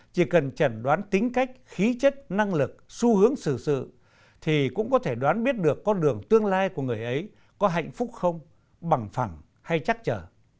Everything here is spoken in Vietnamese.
chỉ cần chẩn đoán tính cách khí chất năng lực xu hướng xử sự thì cũng có thể đoán biết được con đường tương lai của người ấy có hạnh phúc không bằng phẳng hay chắc chở